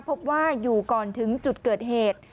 พบว่าอยู่ก่อนถึงจุดเกิดเหตุ